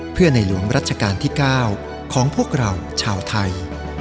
เพื่อในหลวงรัชกาลที่๙ของพวกเราชาวไทย